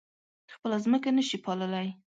خپله ځمکه نه شي پاللی.